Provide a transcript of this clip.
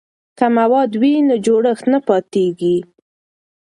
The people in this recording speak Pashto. که مواد وي نو جوړښت نه پاتیږي.